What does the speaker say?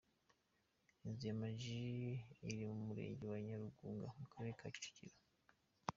Inzu ya Ama G iri mu Murenge wa Nyarugunga ho mu Karere ka Kicukiro.